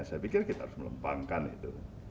saya pikir kita harus melempangkan itu